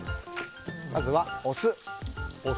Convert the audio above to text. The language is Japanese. まずはお酢。